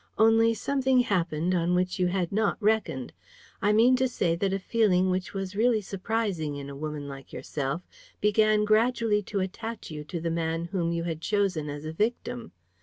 Only, something happened on which you had not reckoned. I mean to say that a feeling which was really surprising in a woman like yourself began gradually to attach you to the man whom you had chosen as a victim.